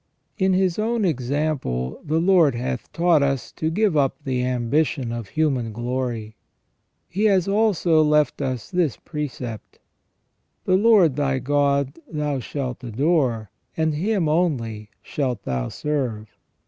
" In His own example the Lord hath taught us to give up the ambition of human glory. He has also left us this precept :' The Lord thy God thou shalt adore, and Him only shalt thou serve